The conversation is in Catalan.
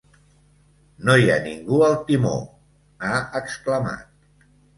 “No hi ha ningú al timó”, ha exclamat.